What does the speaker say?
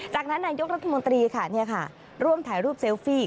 จากนั้นนายกรัฐมนตรีค่ะร่วมถ่ายรูปเซลฟี่